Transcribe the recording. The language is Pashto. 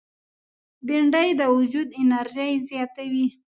بېنډۍ د وجود انرژي زیاتوي